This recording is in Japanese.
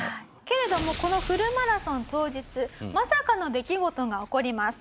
けれどもこのフルマラソン当日まさかの出来事が起こります。